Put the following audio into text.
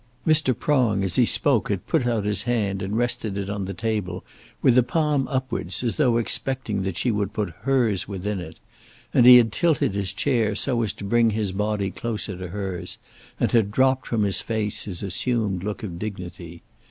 Mr. Prong as he spoke had put out his hand, and rested it on the table with the palm upwards, as though expecting that she would put hers within it; and he had tilted his chair so as to bring his body closer to hers, and had dropped from his face his assumed look of dignity.